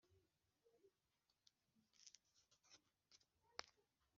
Ibiteganyijwe mu gace ka munani k igika cya munani